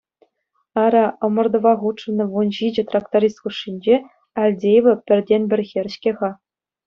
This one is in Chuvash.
Ара, ӑмӑртӑва хутшӑннӑ вунҫичӗ тракторист хушшинче Альдеева пӗртен-пӗр хӗр-ҫке-ха!